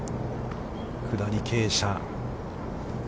下り傾斜。